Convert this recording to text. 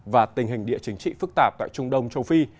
và tình hình địa chính trị phức tạp tại trung đông châu phi